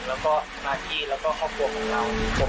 ได้ทำการผ่าตัดแล้วเขาเห็นของจริง